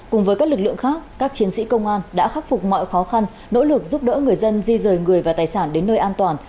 cùng với các lực lượng khác các chiến sĩ công an đã khắc phục mọi khó khăn nỗ lực giúp đỡ người dân di rời người và tài sản đến nơi an toàn